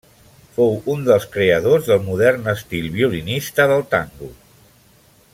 Fou un dels creadors del modern estil violinista del tango.